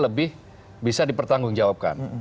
lebih bisa dipertanggungjawabkan